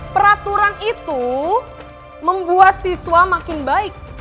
peraturan itu membuat siswa makin baik